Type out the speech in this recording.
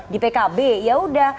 di pkb yaudah